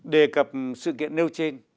đề cập sự kiện nêu trên